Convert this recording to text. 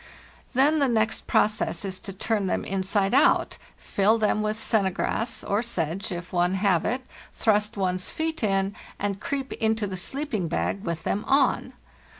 Then the next process is to turn them inside out, fill them with "sennegraes," or sedge, if one have it, thrust one's feet in, and creep into the sleeping bag with them on.